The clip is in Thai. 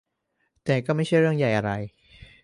แต่ก็ไม่ใช่เรื่องใหญ่อะไร